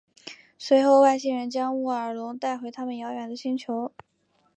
随后外星人将沃尔隆带回他们遥远的星球。